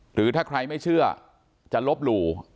หรือถ้าใครไม่เชื่อจะลบหลู่